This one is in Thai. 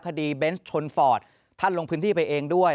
เบนส์ชนฟอร์ตท่านลงพื้นที่ไปเองด้วย